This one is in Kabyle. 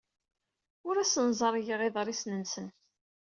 Ur asen-ẓerrgeɣ iḍrisen-nsen.